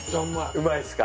うまいっすか。